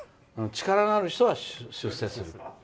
力のある人は出世する。